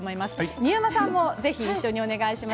新山さんも、ぜひお願いします。